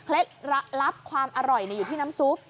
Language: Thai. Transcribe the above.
เคล็ดลับความอร่อยเนี่ยอยู่ที่น้ำซุป